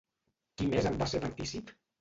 Qui més en va ser partícip?